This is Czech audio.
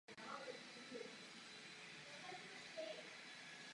Musí existovat závazná opatření pro politiky odměňování ve finančních institucích.